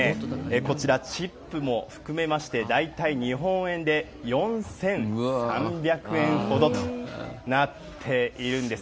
こちら、チップも含めまして、大体日本円で４３００円ほどとなっているんです。